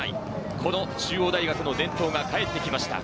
この中央大学の伝統が帰ってきました。